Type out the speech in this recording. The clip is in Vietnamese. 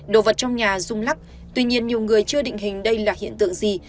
đồ vật trong nhà rung lắc tuy nhiên nhiều người chưa định hình đây là hiện tượng gì